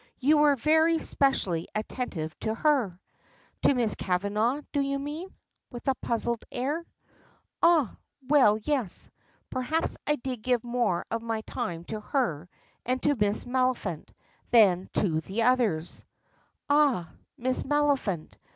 "You were very specially attentive to her." "To Miss Kavanagh, do you mean?" with a puzzled air. "Ah! well, yes. Perhaps I did give more of my time to her and to Miss Maliphant than to the others." "Ah! Miss Maliphant!